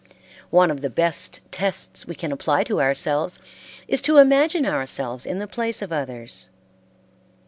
One of the best tests we can apply to ourselves is to imagine ourselves in the place of others.